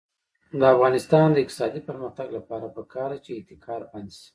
د افغانستان د اقتصادي پرمختګ لپاره پکار ده چې احتکار بند شي.